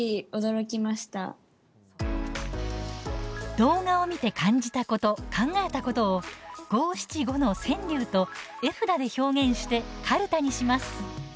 動画を見て感じたこと考えたことを五・七・五の川柳と絵札で表現して、かるたにします。